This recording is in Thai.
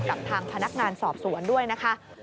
กับทางพนักงานสอบสวนด้วยนะคะ